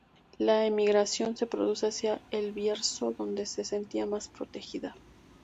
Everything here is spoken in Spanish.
La emigración se produce hacia el Bierzo, donde se sentía más protegida.